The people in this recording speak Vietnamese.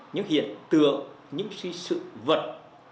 những hiện tượng những sự vật